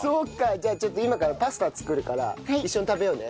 じゃあちょっと今からパスタ作るから一緒に食べようね。